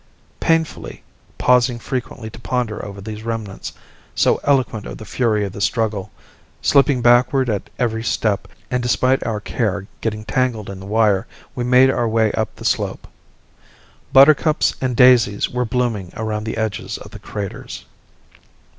Painfully, pausing frequently to ponder over these remnants, so eloquent of the fury of the struggle, slipping backward at every step and despite our care getting tangled in the wire, we made our way up the slope. Buttercups and daisies were blooming around the edges of the craters.